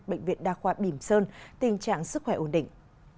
bệnh viện đa khoa bìm sơn tình trạng sức khỏe ổn định